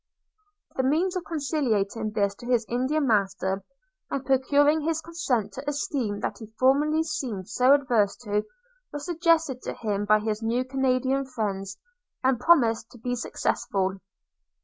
The means of conciliating this his Indian master, and procuring his consent to a scheme that he formerly seemed so averse to, were suggested to him by his new Canadian friends, and promised to be successful.